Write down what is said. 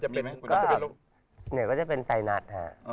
เหนือก็จะเป็นไซนัท